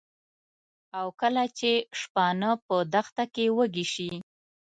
کله چې شپانه په دښته کې وږي شي.